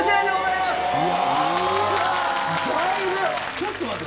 ちょっと待って。